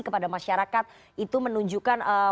kepada masyarakat itu menunjukkan